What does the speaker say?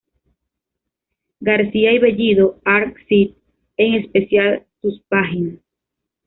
García y Bellido, "art.cit"., en especial sus págs.